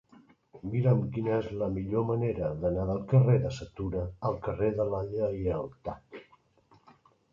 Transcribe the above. Mira'm quina és la millor manera d'anar del carrer de Sa Tuna al carrer de la Lleialtat.